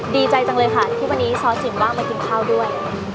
ดีใจจังเลยค่ะที่วันนี้ซอสสินว่างมากินข้าวด้วย